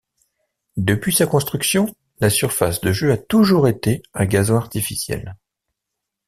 Depuis sa construction, la surface de jeu a toujours été en gazon artificiel.